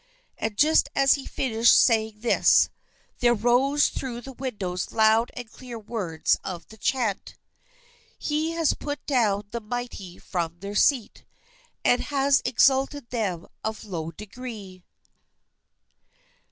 And just as he finished saying this, there rose through the windows loud and clear the words of the chant: "He has put down the mighty from their seat, And has exalted them of low degree!"